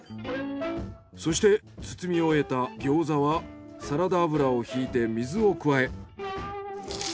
そして包み終えた餃子はサラダ油をひいて水を加え。